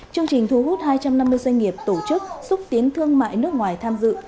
chương trình thu hút hai trăm năm mươi doanh nghiệp tổ chức xúc tiến thương mại nước ngoài tham dự